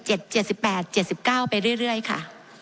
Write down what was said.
สิบเจ็ดเจ็ดสิบแปดเจ็ดสิบเก้าไปเรื่อยเรื่อยค่ะ